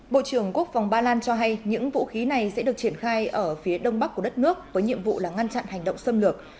bộ trưởng quốc phòng ba lan cho hay những vũ khí này sẽ được triển khai ở phía đông bắc của đất nước với nhiệm vụ là ngăn chặn hành động xâm lược